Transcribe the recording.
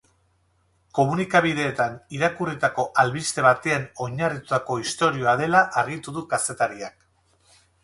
Komunikabideetan irakurritako albiste batean oinarritutako istorioa dela argitu du kazetariak.